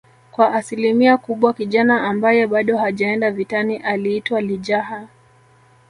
kwa asilimia kubwa kijana ambaye bado hajaenda vitani aliitwa lijaha